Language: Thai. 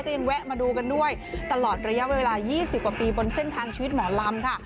ยังแวะมาดูกันด้วยตลอดระยะเวลา๒๐กว่าปีบนเส้นทางชีวิตหมอลำค่ะ